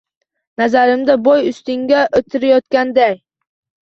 Nazarimda boy ustingga o‘tirayotganday